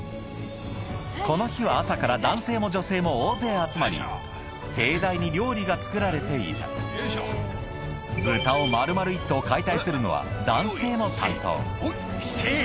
この日は朝から男性も女性も大勢集まり盛大に料理が作られていた豚を丸々１頭解体するのは男性の担当を作っている